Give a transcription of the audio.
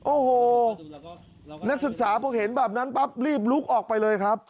โอ้โหนักศึกษาพอเห็นแบบนั้นปั๊บรีบลุกออกไปเลยครับ